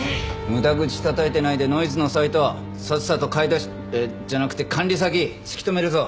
無駄口たたいてないでノイズのサイトさっさと買い出しじゃなくて管理先突き止めるぞ。